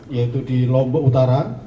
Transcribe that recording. yaitu di lombok utara